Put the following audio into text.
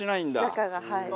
中がはい。